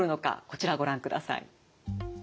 こちらご覧ください。